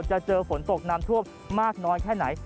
เจอฝนตกน้ำท่วมมากน้อยแค่ไหน